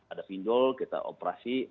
ada pinjol kita operasi